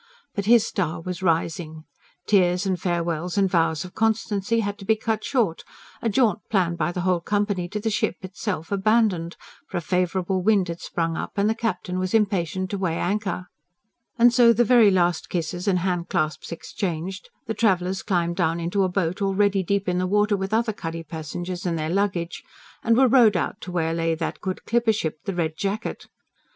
But his star was rising: tears and farewells and vows of constancy had to be cut short, a jaunt planned by the whole company to the ship itself abandoned; for a favourable wind had sprung up and the captain was impatient to weigh anchor. And so the very last kisses and handclasps exchanged, the travellers climbed down into a boat already deep in the water with other cuddy passengers and their luggage, and were rowed out to where lay that good clipper ship, the RED JACKET.